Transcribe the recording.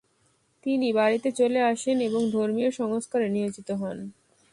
তিনি বাড়িতে চলে আসেন এবং ধর্মীয় সংস্কারে নিয়োজিত হন।